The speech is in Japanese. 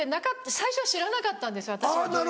最初は知らなかったんです私が女優。